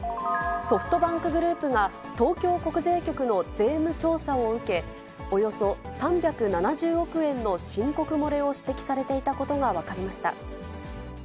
ソフトバンクグループが、東京国税局の税務調査を受け、およそ３７０億円の申告漏れを指摘されていたことが分かりました。